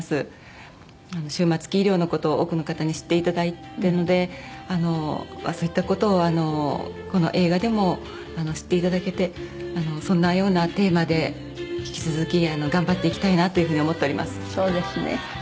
終末期医療の事を多くの方に知っていただいたのでそういった事をこの映画でも知っていただけてそんなようなテーマで引き続き頑張っていきたいなという風に思っております。